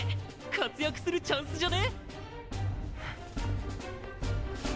活躍するチャンスじゃね？